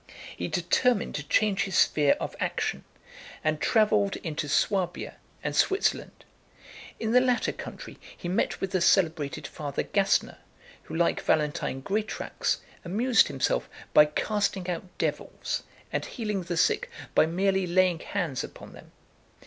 He determined to change his sphere of action, and travelled into Swabia and Switzerland. In the latter country he met with the celebrated Father Gassner, who, like Valentine Greatraks, amused himself by casting out devils, and healing the sick by merely laying hands upon them.